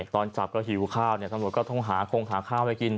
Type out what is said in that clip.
ตอนจับก็หิวข้าวตำรวจก็ต้องหาคงหาข้าวไปกิน